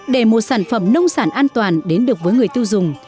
để một sản phẩm nông sản an toàn đến được với người tiêu dùng